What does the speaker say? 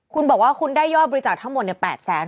คุณบอกว่าคุณได้ยอดบริจาคทั้งหมด๘แสน